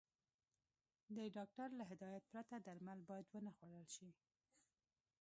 د ډاکټر له هدايت پرته درمل بايد ونخوړل شي.